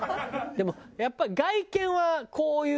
でもやっぱ外見はこういう。